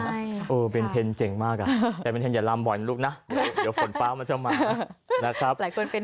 เออเบนเทนเจ๋งมากอ่ะแต่เบนเทนอย่าล้ำบ่อยลูกนะเดี๋ยวฝนฟ้ามันจะมานะครับ